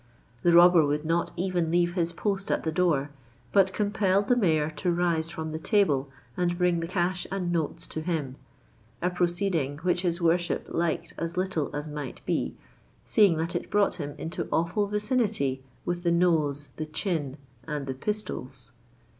The robber would not even leave his post at the door, but compelled the Mayor to rise from the table and bring the cash and notes to him—a proceeding which his worship liked as little as might be, seeing that it brought him into awful vicinity with the nose, the chin, and the pistols.